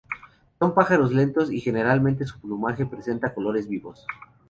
Son pájaros lentos, y generalmente su plumaje presenta colores vivos.